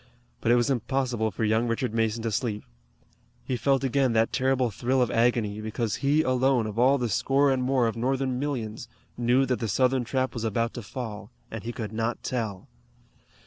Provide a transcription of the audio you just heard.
But it was impossible for young Richard Mason to sleep. He felt again that terrible thrill of agony, because he, alone, of all the score and more of Northern millions, knew that the Southern trap was about to fall, and he could not tell.